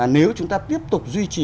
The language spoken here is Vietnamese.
nếu chúng ta tiếp tục duy trì